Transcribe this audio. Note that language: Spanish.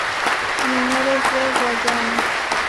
Mineros de Guayana.